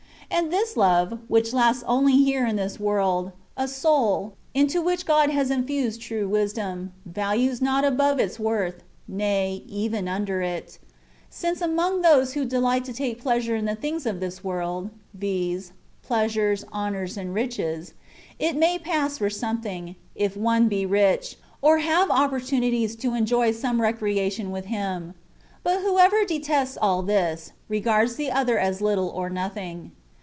And this love (which lasts only here in this world) a soul, into which God has infused true wisdom, values not above its worth, nay, even under it ; since among those who delight to take pleasure in the things of this world — viz., pleasures, honours, and riches, — it may pass for something, if one be rich, or have oppor tunities to enjoy some recreation with him ; but whoever detests all this, regards the other as little or nothing.